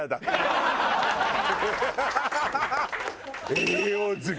「栄養好き」。